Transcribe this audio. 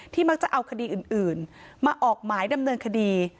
มักจะเอาคดีอื่นมาออกหมายดำเนินคดี